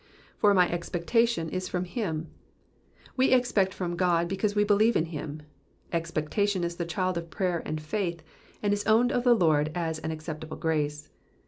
^^For my expectation %$ from him,'*'' We expect from God because we believe in him. Expectation is the child of prayer and faith, and is owned of the Lord as an acceptable grace.